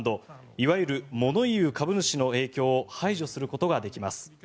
いわゆる物言う株主の影響を排除することができます。